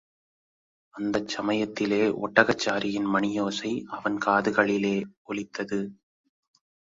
அந்தச் சமயத்திலே ஒட்டகச் சாரியின் மணியோசை அவன் காதுகளிலே ஒலித்தது.